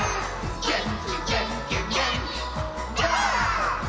「げんきげんきげんきだー！」